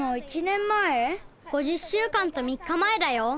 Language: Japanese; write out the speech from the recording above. ５０週間と３日前だよ。